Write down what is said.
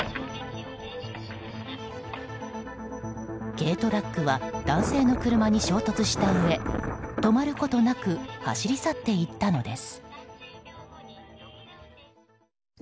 軽トラックは男性の車に衝突したうえ止まることなく走り去っていったのです。